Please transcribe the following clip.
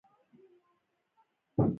په ارغندې چوک کښې يې تلاشي کړو.